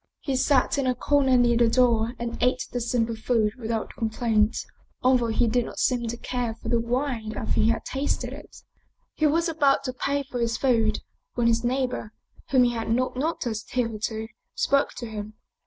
He sat in a corner near the door and ate the simple food without complaint, al though he did not seem to care for the wine after he had tasted it. He was about to pay for his food when his neighbor, whom he had not noticed hitherto, spoke to him.